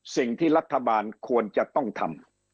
สิ่งที่รัฐบาลควรจะต้องทำ